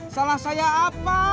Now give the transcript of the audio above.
salah saya apa